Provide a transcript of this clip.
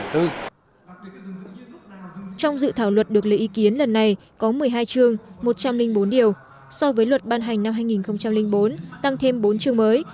trong dự thảo luật được lấy ý kiến lần này có một mươi hai chương một trăm linh bốn điều so với luật ban hành năm hai nghìn bốn tăng thêm bốn chương mới